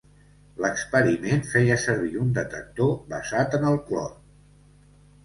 L'experiment feia servir un detector basat en el clor.